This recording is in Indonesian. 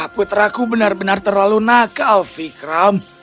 puteraku benar benar terlalu nakal vikram